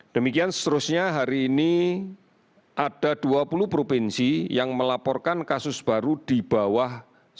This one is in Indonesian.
demikian seterusnya hari ini ada dua puluh provinsi yang melaporkan kasus baru di bawah sepuluh